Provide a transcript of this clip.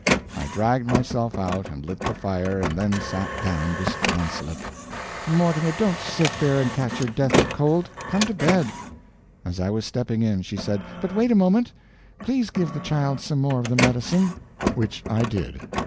I dragged myself out and lit the fire, and then sat down disconsolate. "Mortimer, don't sit there and catch your death of cold. Come to bed." As I was stepping in she said: "But wait a moment. Please give the child some more of the medicine." Which I did.